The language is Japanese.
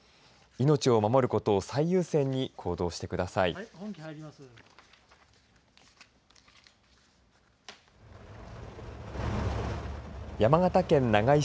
命を守ることを最優先に行動してください。